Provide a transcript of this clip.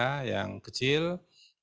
bagi petani petani swadaya